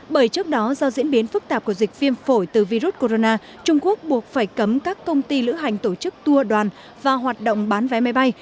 bởi trước đó do diễn biến phức tạp của dịch viêm phổi từ virus corona trung quốc buộc phải cấm các công ty lữ hành tổ chức tour đoàn và hoạt động bán vé máy bay